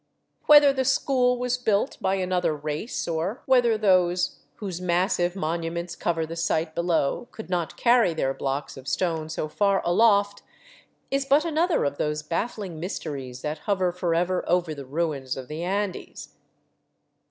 Whether the " school " was built by another race, or whether those whose massive monuments cover the site below could not carry their blocks of stone so far aloft, is but another of those baffling mysteries that hover forever over the ruins of the Andes.